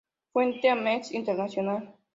Fuente: Amnesty International.